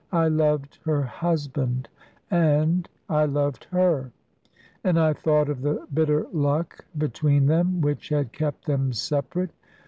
I loved her husband; and I loved her; and I thought of the bitter luck between them, which had kept them separate.